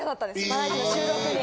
バラエティーの収録に。